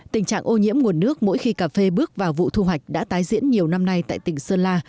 tình trạng ô nhiễm nguồn nước mỗi khi cà phê bước vào vụ thu hoạch đã tái diễn nhiều năm nay tại tỉnh sơn la